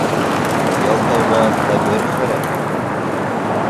Ялҡауға ҡәбер хәрәм.